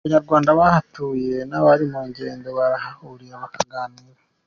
Abanyarwanda bahatuye n’abari mu ngendo, barahahurira bakaganira.